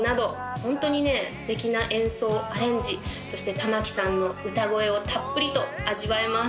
ホントにね素敵な演奏アレンジそして玉置さんの歌声をたっぷりと味わえます